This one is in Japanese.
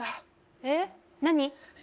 えっ何？